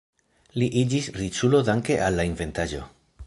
Li iĝis riĉulo danke al la inventaĵo.